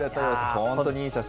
本当にいい写真。